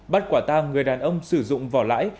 bắt quả tang người đàn ông sử dụng vỏ lãi